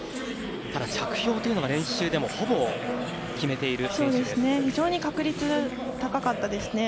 ただ、着氷というのが練習でもほぼ決めている選手です。